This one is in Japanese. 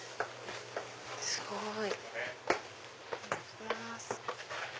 すごい！